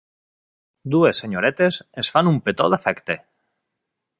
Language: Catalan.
Dues senyoretes es fan un petó d'afecte.